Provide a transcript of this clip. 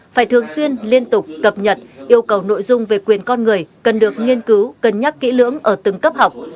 phải thường xuyên liên tục cập nhật yêu cầu nội dung về quyền con người cần được nghiên cứu cân nhắc kỹ lưỡng ở từng cấp học